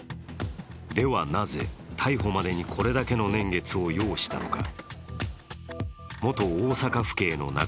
では、なぜ逮捕までにこれだけの年月を要したのか。